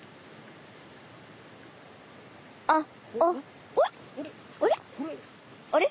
あっあれ？